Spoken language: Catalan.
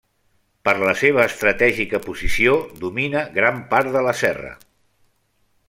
Per la seva estratègica posició, domina gran part de la serra.